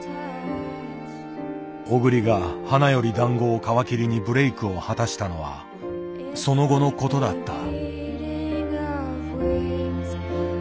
小栗が「花より男子」を皮切りにブレイクを果たしたのはその後のことだった。